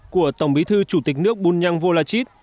của tổng bí thư chủ tịch nước bùn nhăng vô la chít